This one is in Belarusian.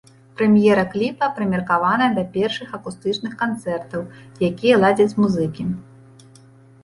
Прэм'ера кліпа прымеркаваная да першых акустычных канцэртаў, якія ладзяць музыкі.